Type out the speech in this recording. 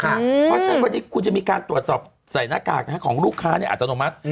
เพราะฉะนั้นวันนี้คุณจะมีการตรวจสอบใส่หน้ากากของลูกค้าอัตโนมัติ